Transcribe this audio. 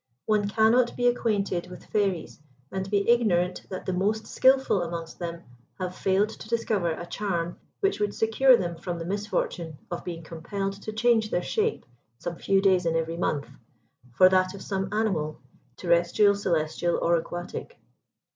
One cannot be acquainted with Fairies, and be ignorant that the most skilful amongst them have failed to discover a charm which would secure them from the misfortune of being compelled to change their shape some few days in every month, for that of some animal, terrestrial, celestial, or aquatic.